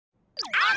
あっ！